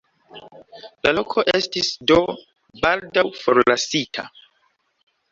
La loko estis do baldaŭ forlasita.